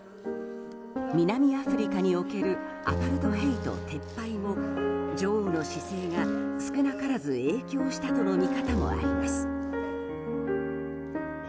南アフリカにおけるアパルトヘイト撤廃を女王の姿勢が少なからず影響したとの見方もあります。